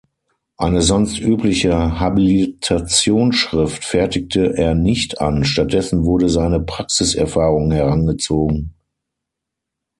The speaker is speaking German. Eine sonst übliche Habilitationsschrift fertigte er nicht an, stattdessen wurde seine Praxiserfahrung herangezogen.